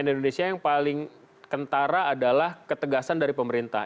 di indonesia yang paling kentara adalah ketegasan dari pemerintah